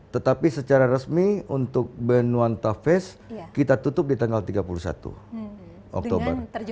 tetapi secara resmi untuk benuanta face kita tutup di tanggal tiga puluh satu oktober